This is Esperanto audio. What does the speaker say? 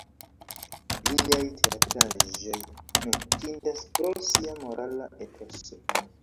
Liaj teatraĵoj notindas pro sia morala etoso.